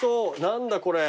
何だこれ。